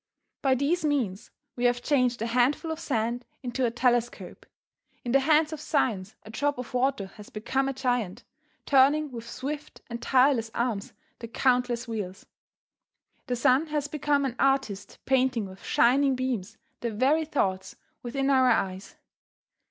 By these means we have changed a handful of sand into a telescope. In the hands of science a drop of water has become a giant, turning with swift and tireless arm the countless wheels. The sun has become an artist painting with shining beams the very thoughts within our eyes.